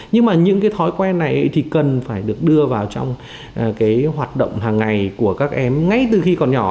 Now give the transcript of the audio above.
nhưng mà những cái thói quen này thì cần phải được đưa vào trong cái hoạt động hàng ngày của các em ngay từ khi còn nhỏ